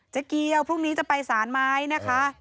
เจ๊เกี๊ยวพรุ่งนี้จะไปศาลไหมนะคะ